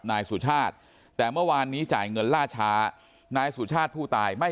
นายสุชาติแต่เมื่อวานนี้จ่ายเงินล่าช้านายสุชาติผู้ตายไม่